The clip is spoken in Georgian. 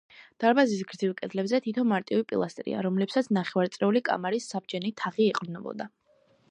დარბაზის გრძივ კედლებზე თითო მარტივი პილასტრია, რომლებსაც ნახევარწრიული კამარის საბჯენი თაღი ეყრდნობოდა.